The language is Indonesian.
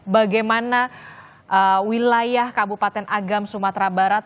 bagaimana wilayah kabupaten agam sumatera barat